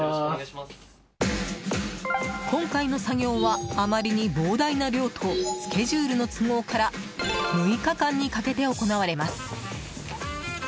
今回の作業はあまりに膨大な量とスケジュールの都合から６日間にかけて行われます。